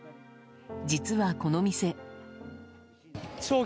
実は、この店。